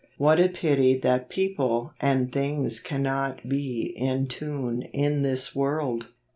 What a pity that people and things can not be in tune in this world.